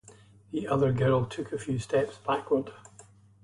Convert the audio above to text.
The other girl took a few steps backward.